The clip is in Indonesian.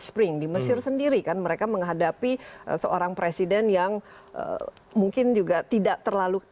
spring di mesir sendiri kan mereka menghadapi seorang presiden yang mungkin juga tidak terlalu